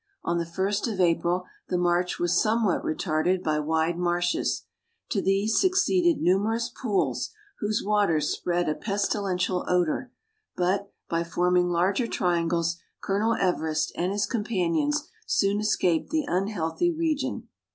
On the ist of April the march was some what retarded by wide marshes ; to these succeeded numerous pools, whose waters spread a pestilential odour ; but, by forming larger triangles, Colonel Everest and his companions soon escaped the unhealthy region.